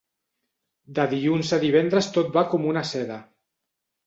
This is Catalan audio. De dilluns a divendres tot va com una seda.